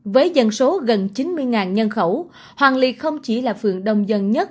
với dân số gần chín mươi nhân khẩu hoàng ly không chỉ là phường đông dân nhất